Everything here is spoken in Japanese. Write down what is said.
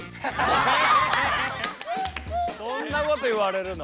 そんなこと言われるの？